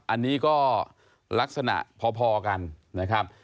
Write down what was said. อันนี้ก็ลักษณะพอกันนะครับ